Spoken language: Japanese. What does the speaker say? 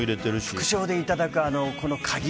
副賞でいただく鍵。